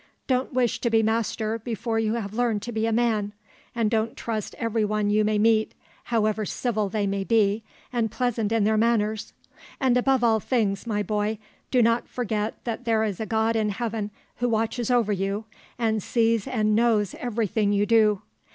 "Don't wish to be master before you have learned to be man, and don't trust every one you may meet, however civil they may be and pleasant in their manners; and above all things, my boy, do not forget that there is a God in heaven who watches over you, and sees and knows every thing you do.